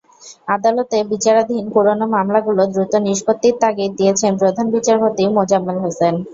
আদালতে বিচারাধীন পুরোনো মামলাগুলো দ্রুত নিষ্পত্তির তাগিদ দিয়েছেন প্রধান বিচারপতি মোজাম্মেল হোসেন।